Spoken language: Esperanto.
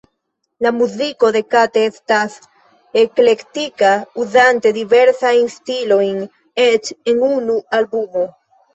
La muziko de Kate estas eklektika, uzante diversajn stilojn eĉ en unu albumo.